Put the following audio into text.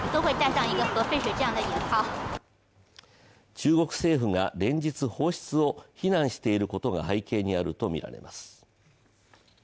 中国政府が連日放出を非難していることが背景にあるとみられます。